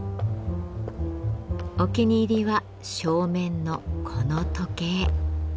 お気に入りは正面のこの時計。